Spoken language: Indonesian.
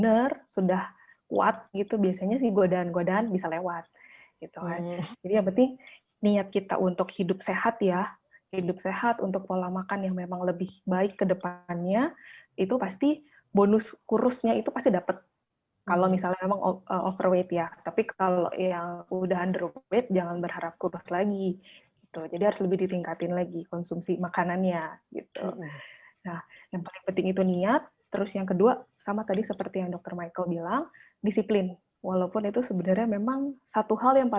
orang orang yang suka bikin kita sakit hati tinggalkan dulu ya